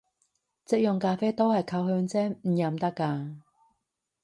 即溶咖啡都係溝香精，唔飲得咖